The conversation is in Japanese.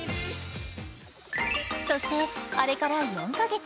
そしてあれから４か月。